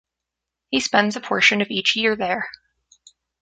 He spends a portion of each year there.